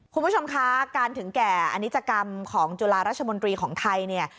คุณผู้ชมคะการถึงแก่อนิจกรรมของจุฬาราชมนตรีของไทยเนี่ย